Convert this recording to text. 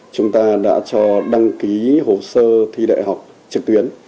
chúng ta đã cho đăng ký hồ sơ thi đại học trực tuyến